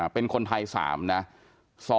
เป็นคนไทย๓นะครับ